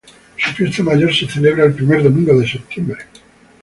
Su fiesta mayor se celebra el primer domingo de septiembre.